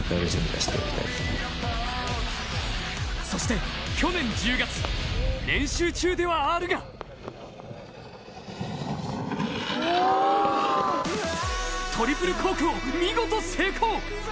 そして、去年１０月練習中ではあるがトリプルコークを見事、成功！